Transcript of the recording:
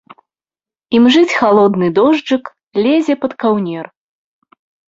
Імжыць халодны дожджык, лезе пад каўнер.